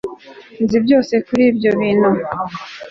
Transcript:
nzi byose kuri ibyo bintu